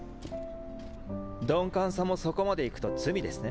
鈍感さもそこまでいくと罪ですね。